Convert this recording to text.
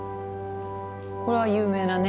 これは有名なね